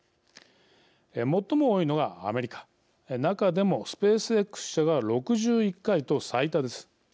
最も多いのがアメリカ中でもスペースＸ社が６１回と最多です。